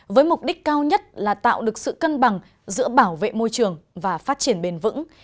với mục đích cao nhất là tạo được sự cân bằng giữa bảo vệ môi trường và phát triển bền vững